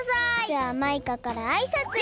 じゃあマイカからあいさつ。